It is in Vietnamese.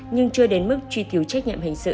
nhưng chưa đến mức truy cứu trách nhiệm hình sự